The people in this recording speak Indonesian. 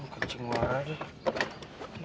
kencing warah deh